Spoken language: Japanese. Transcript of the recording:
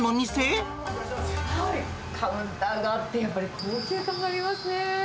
カウンターがあって、やっぱり高級感ありますね。